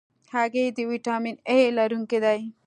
هګۍ د ویټامین A لرونکې ده.